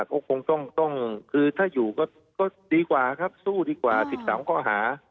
ก็คงต้องคือถ้าอยู่ก็ดีกว่าครับสู้ดีกว่า๑๓ข้อหา